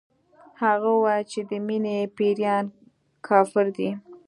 هغې ويل چې د مينې پيريان کافر دي